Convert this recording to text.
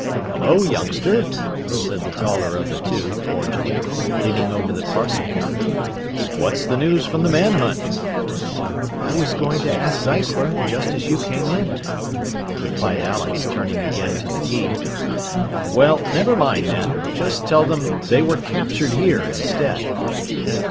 "Hello, youngster," said the taller of the two, cordially, leaning over the parcel counter. "What's the news from the man hunt?" "I was going to ask Zeisler just as you came in," replied Alex, turning again to the key. "Well, never mind, then. Just tell them they were captured here, instead."